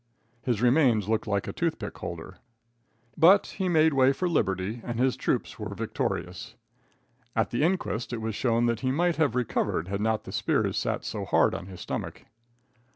His remains looked like a toothpick holder. But he made way for Liberty, and his troops were victorious. At the inquest it was shown that he might have recovered, had not the spears sat so hard on his stomach.